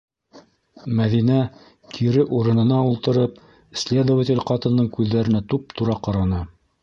- Мәҙинә, кире урынына ултырып, следователь ҡатындың күҙҙәренә туп-тура ҡараны.